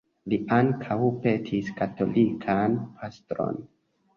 Li ankaŭ petis katolikan pastron.